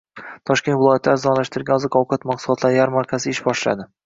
Toshkent viloyatida arzonlashtirilgan oziq-ovqat mahsulotlari yarmarkalari ish boshladi